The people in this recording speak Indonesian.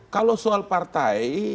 kalau soal partai